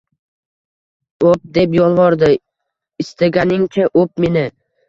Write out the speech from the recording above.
— O‘p! — deb yolvordi. Istaganingcha o‘p meni!